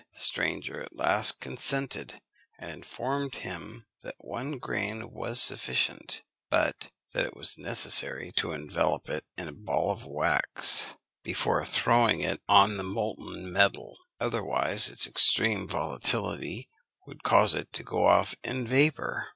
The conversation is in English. The stranger at last consented, and informed him, that one grain was sufficient; but that it was necessary to envelope it in a ball of wax before throwing it on the molten metal; otherwise its extreme volatility would cause it to go off in vapour.